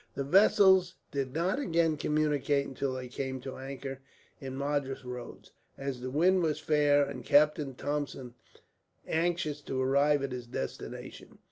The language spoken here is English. The vessels did not again communicate until they came to anchor in Madras roads, as the wind was fair and Captain Thompson anxious to arrive at his destination.